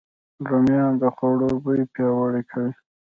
رومیان د خوړو بوی پیاوړی کوي